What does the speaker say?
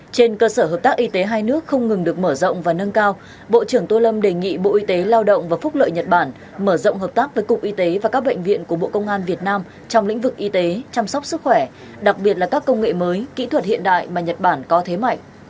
trên cơ sở hợp tác y tế hai nước không ngừng được mở rộng và nâng cao bộ trưởng tô lâm đề nghị bộ y tế lao động và phúc lợi nhật bản mở rộng hợp tác với cục y tế và các bệnh viện của bộ công an việt nam trong lĩnh vực y tế chăm sóc sức khỏe đặc biệt là các công nghệ mới kỹ thuật hiện đại mà nhật bản có thế mạnh